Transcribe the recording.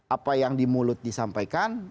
apa yang di mulut disampaikan